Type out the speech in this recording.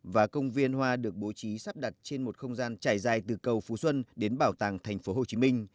và công viên hoa được bố trí sắp đặt trên một không gian trải dài từ cầu phú xuân đến bảo tàng thành phố hồ chí minh